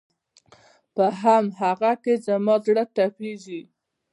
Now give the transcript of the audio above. په هم هغه کې زما زړه تپېږي